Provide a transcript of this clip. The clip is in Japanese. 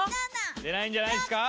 出ないんじゃないっすか？